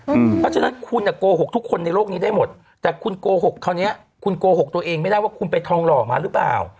เพราะฉะนั้นคุณโกหกทุกคนในโลกนี้ได้หมดแต่คุณโกหกคราวนี้คุณโกหกตัวเองไม่ได้ว่าคุณไปทองหล่อมาหรือเปล่า